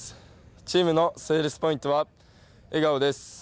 チームのセールスポイントは笑顔です。